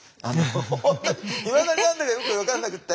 本当にいまだに何だかよく分かんなくって。